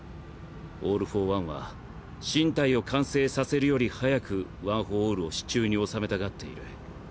オール・フォー・ワンは身体を完成させるより早くワン・フォー・オールを手中に収めたがっている。